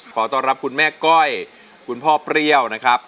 ขอต้อนรับคุณแม่ก้อยคุณพ่อเปรี้ยวนะครับ